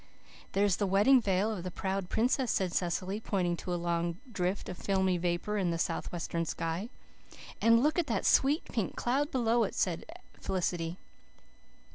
"There's the wedding veil of the proud princess," said Cecily, pointing to a long drift of filmy vapour in the southwestern sky. "And look at that sweet pink cloud below it," added Felicity.